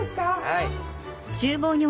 はい。